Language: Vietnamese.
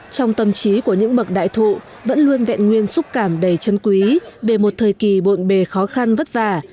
trong tâm trí của những bậc đại thụ vẫn luôn vẹn nguyên xúc cảm đầy chân quý về một thời kỳ bộn bề khó khăn vất vả